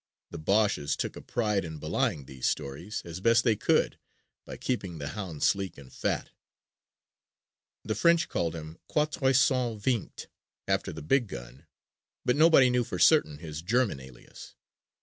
The Boches took a pride in belying these stories, as best they could, by keeping the hound sleek and fat. The French called him Quatre Cent Vingt after the big gun but nobody knew for certain his German alias.